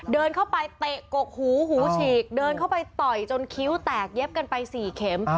เดินเข้าไปเตะกกหูหูฉีกเดินเข้าไปต่อยจนคิ้วแตกเย็บกันไป๔เข็ม